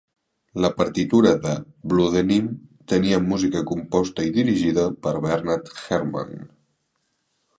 La partitura de "Blue Denim" tenia música composta i dirigida per Bernard Herrmann.